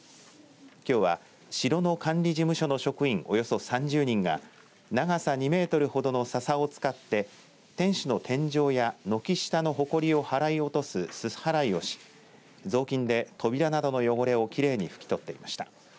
きょうは城の管理事務所の職員およそ３０人が長さ２メートルほどのささを使って天守の天井や軒下のほこりを払い落とすすす払いいをし雑巾で扉などの汚れをきれいに拭き取っていました。